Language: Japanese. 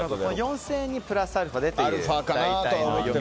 ４０００円にプラスアルファでと。